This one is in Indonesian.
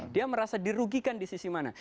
dia merasa dirugikan di sisi mana